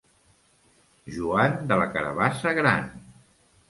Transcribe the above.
Joan, de la carabassa gran!